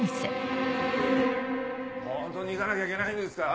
ホントに行かなきゃいけないんですか？